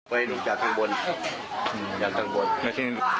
เฮ้ยหนูจากทางบนจากทางบน